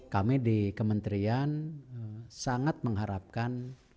kami di kementerian sangat mengharapkan